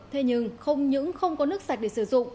thế nhưng không những không có nước sạch để sử dụng